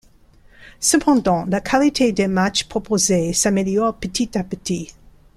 Cependant, la qualité des matchs proposés s'améliore petit à petit.